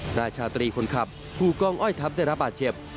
หน้าชาตรีคนขับภูกองอ้อยถับได้ระบาดเจ็บ